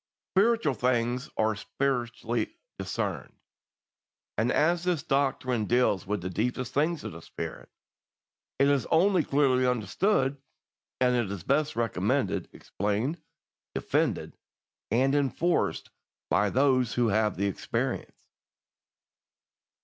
Spiritual things are spiritually discerned, and as this doctrine deals with the deepest things of the Spirit, it is only clearly understood and is best recommended, explained, defended, and enforced by those who have the experience.